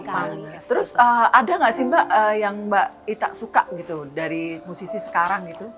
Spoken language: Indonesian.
terus ada nggak sih mbak yang mbak ita suka gitu loh dari musisi sekarang gitu